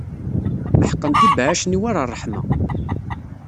Meḥqent ibeɛɛac-nni war ṛṛeḥma.